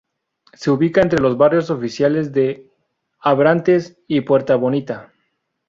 Se ubica entre los barrios oficiales de Abrantes y Puerta Bonita.